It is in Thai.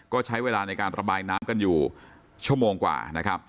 ก็ใช้เวลาในการระบายน้ำกันอยู่ชั่วโมงกว่านะครับ